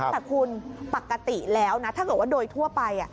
แต่คุณปกติแล้วนะถ้าเกิดว่าโดยทั่วไป